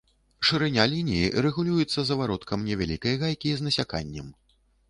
Шырыня лініі рэгулюецца завароткам невялікай гайкі з насяканнем.